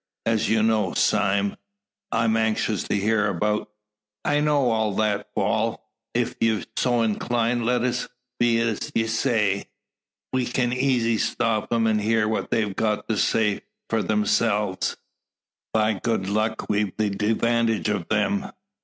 As you know, Sime, I'm anxious to hear about " "I know all that. Wal, ef you're so inclined, let it be as ye say. We kin eezy stop 'em, an' hear what they've got to say for theirselves. By good luck, we've the devantage o' 'em.